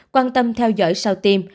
quan tâm theo dõi sau tiêm